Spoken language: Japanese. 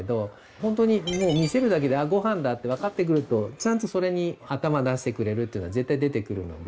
ほんとにもう見せるだけで「あっご飯だ」って分かってくるとちゃんとそれに頭出してくれるっていうのは絶対出てくるので。